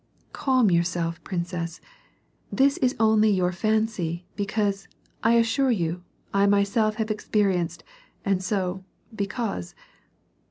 " Calm yourself, princess. This is only your fancy, because, I assure you, I myself have experienced — and so — because.